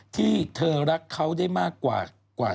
ที่เธอรักเขาได้มากกว่า